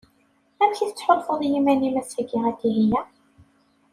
Amek i tettḥulfuḍ iman-im ass-a a Dihya?